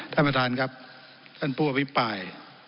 ท่านประธานครับท่านผู้อภิปราย